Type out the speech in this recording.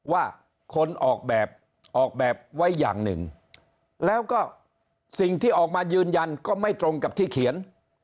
ว่าคนออกแบบออกแบบไว้อย่างหนึ่งแล้วก็สิ่งที่ออกมายืนยันก็ไม่ตรงกับที่เขียน